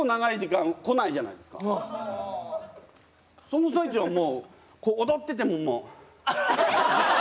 その最中はもう踊ってても。